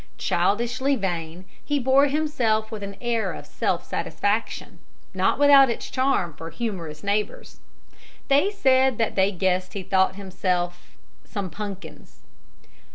Childishly vain, he bore himself with an air of self satisfaction not without its charm for humorous neighbors. They said that they guessed he thought himself "some punkins."